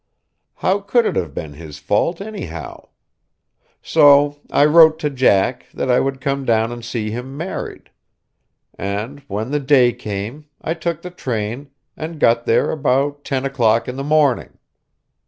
How could it have been his fault, anyhow? So I wrote to Jack that I would come down and see him married; and when the day came I took the train, and got there about ten o'clock in the morning.